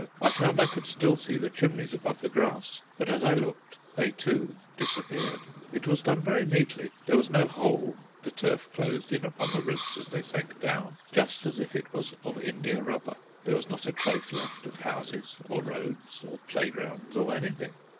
I found I could still see the chimneys above the grass, but as I looked they too disappeared. It was done very neatly: there was no hole, the turf closed in upon the roofs as they sank down, just as if it was of india rubber. There was not a trace left of houses or roads or playgrounds or anything.